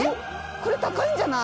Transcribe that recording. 「これ高いんじゃない？」